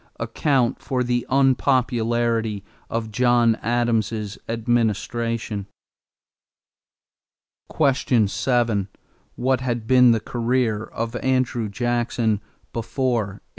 Account for the unpopularity of John Adams' administration. 7. What had been the career of Andrew Jackson before 1829?